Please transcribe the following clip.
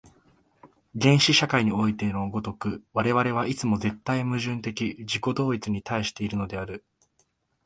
原始社会においての如く、我々はいつも絶対矛盾的自己同一に対しているのである。